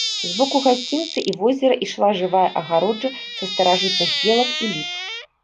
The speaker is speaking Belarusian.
З боку гасцінца і возера ішла жывая агароджа са старажытных елак і ліп.